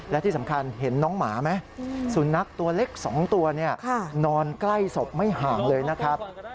และที่สำคัญเห็นน้องหมาไหมสุนัขตัวเล็ก๒ตัวนอนใกล้ศพไม่ห่างเลยนะครับ